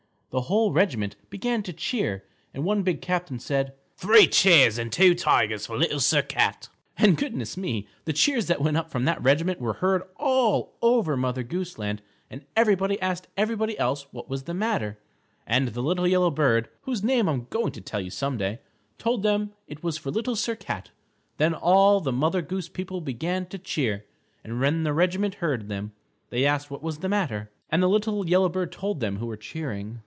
The whole regiment began to cheer, and one big captain said, "Three cheers and two tigers for Little Sir Cat!" And, goodness me, the cheers that went up from that regiment were heard all over Mother Goose Land and everybody asked everybody else what was the matter, and the little yellow bird, whose name I'm going to tell you some day, told them it was for Little Sir Cat. Then all the Mother Goose People began to cheer and when the regiment heard them, they asked what was the matter, and the little yellow bird told them who were cheering.